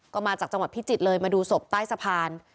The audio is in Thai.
ก็มาจากจังหวัดพิจิตรเลยมาดูศพใต้สะพาน